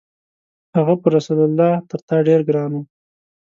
هغه پر رسول الله تر تا ډېر ګران و.